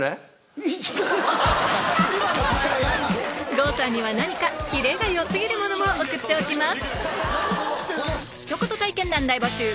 郷さんには何かキレがよ過ぎるものを送っておきます